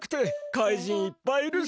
かいじんいっぱいいるし。